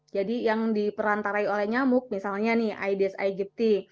jadi yang diperantarai oleh nyamuk misalnya aedes aegypti